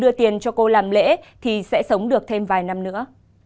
đưa tiền cho cô làm lễ thì sẽ sống được thêm vài năm nữa